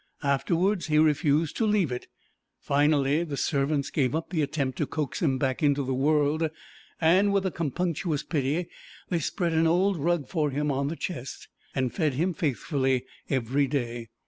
Afterwards he refused to leave it. Finally the servants gave up the attempt to coax him back into the world, and with a compunctious pity they spread an old rug for him on the chest, and fed him faithfully every day.